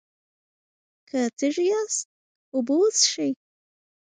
که تږي یاست، اوبه وڅښئ.